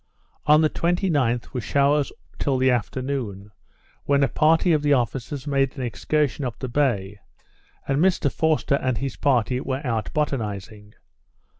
On the 29th, were showers till the afternoon; when a party of the officers made an excursion up the bay; and Mr Forster and his party were out botanizing.